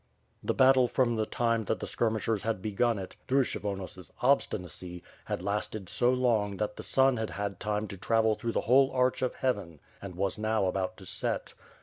The battle from the time that the skirmishers had begun it, through Kshyvonos obstinacy, had lasted so long that the WITH FIRE AND SWORD, 391 sun had had time to travel through the whole arch of heaven and was now about to set.